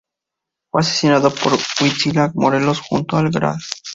Fue asesinado en Huitzilac, Morelos, junto al Gral.